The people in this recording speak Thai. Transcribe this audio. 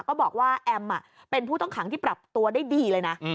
ก็บอกว่าแอมเป็นผู้ต้องขังที่ปรับตัวได้ดีเลยนะ